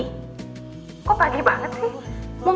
kok pagi banget sih